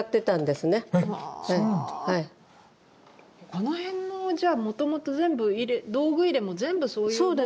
この辺のじゃもともと全部道具入れも全部そういうものなんですね。